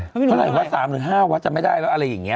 เท่าไหร่๓๕วัตรจะไม่ได้แล้วอะไรแบบนี้